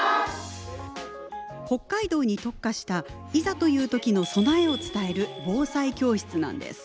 北海道に特化したいざという時の備えを伝える防災教室なんです。